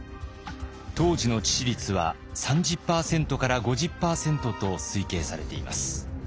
当時の致死率は３０％から５０％と推計されています。